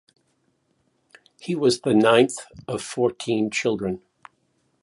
He was the ninth of fourteen children.